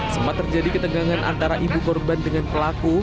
sempat terjadi ketegangan antara ibu korban dengan pelaku